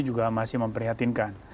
juga masih memprihatinkan